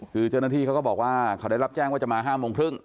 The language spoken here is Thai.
คือเจ้าหน้าที่เขาก็บอกว่าเขาได้รับแจ้งว่าจะมา๕โมงครึ่ง